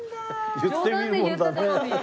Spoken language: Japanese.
言ってみるもんだね。